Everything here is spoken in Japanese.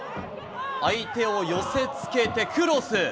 相手を寄せつけてクロス。